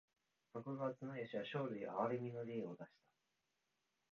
徳川綱吉は生類憐みの令を出した。